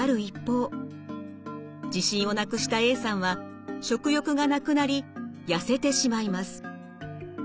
自信をなくしたＡさんは食欲がなくなり痩せてしまいます。